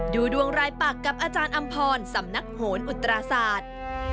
ดูดวงรายปากกับอาจารย์อำพรสำนักโหนอุตราศาสตร์